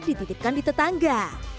dititikkan di tetangga